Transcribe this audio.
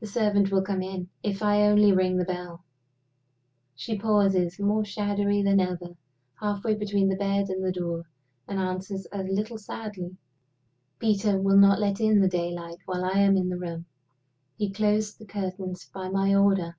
The servant will come in, if I only ring the bell." She pauses more shadowy than ever halfway between the bed and the door, and answers a little sadly: "Peter will not let in the daylight while I am in the room. He closed the curtains by my order."